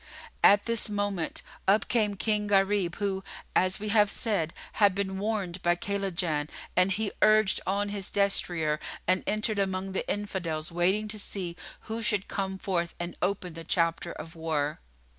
At this moment up came King Gharib, who, as we have said, had been warned by Kaylajan; and he urged on his destrier and entered among the Infidels waiting to see who should come forth and open the chapter of war.